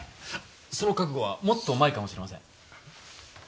その覚悟はもっと前かもしれません。